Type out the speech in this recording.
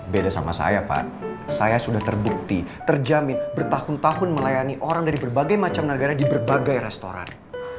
beda sama saya pak saya sudah terbukti terjamin bertahun tahun melayani orang dari berbagai macam negara di berbagai restoran